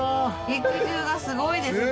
肉汁がすごいですね。